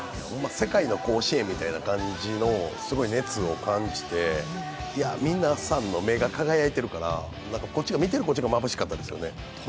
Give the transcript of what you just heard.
世界の甲子園みたいなすごい熱を感じて、皆さんの目が輝いているから見ているこっちがまぶしかったですよね。